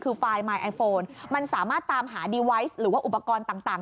คือไฟล์มายไอโฟนมันสามารถตามหาดีไวซ์หรือว่าอุปกรณ์ต่าง